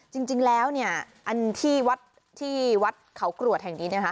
จริงแล้วนี่ที่วัดขอเรือดแห่งนี้